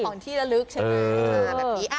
ของที่ละลึกใช่ไหมเออ